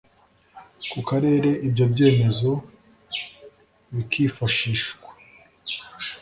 ku karere ibyo byemezo bikifashihswa